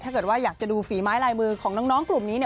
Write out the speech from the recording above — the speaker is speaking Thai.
ถ้าเกิดว่าอยากจะดูฝีไม้ลายมือของน้องกลุ่มนี้